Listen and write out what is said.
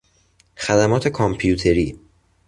خدمات کامپیوتری